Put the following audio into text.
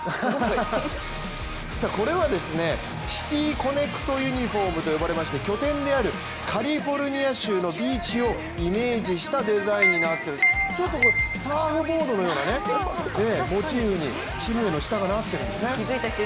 これはシティー・コネクト・ユニフォームと呼ばれまして拠点であるカリフォルニア州のビーチをイメージしたデザインになっている、ちょっとサーフボードのような、モチーフにチーム名の下がなってるんです。